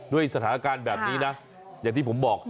ด้วยสถานการณ์แบบนี้นะอย่างที่ผมบอก